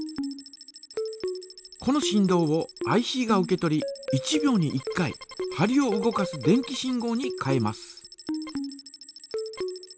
この振動をＩＣが受け取り１秒に１回針を動かす電気信号に変えます。